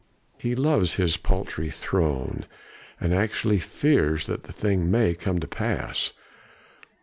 He loves his paltry throne, and actually fears that the thing may come to pass.